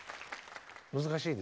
難しいですか？